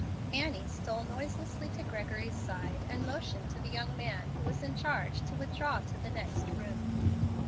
Annie stole noiselessly to Gregory's side, and motioned to the young man who was in charge to withdraw to the next room.